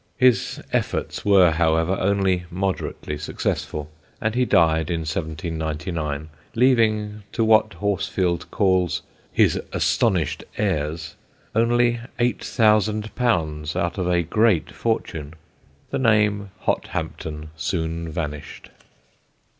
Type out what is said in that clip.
His efforts were, however, only moderately successful, and he died in 1799, leaving to what Horsfield calls "his astonished heirs" only _£_8,000 out of a great fortune. The name Hothampton soon vanished.